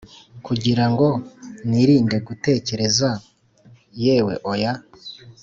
kugira ngo nirinde gutekereza, yewe, oya